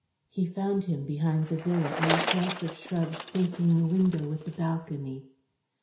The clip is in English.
He found him behind the villa, in the clumps of shrubs facing the window with the balcony.